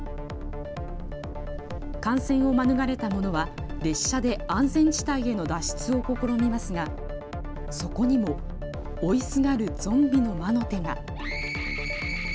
感染を免れた者は列車で安全地帯への脱出を試みますが、そこにも追いすがるゾンビの魔の手が。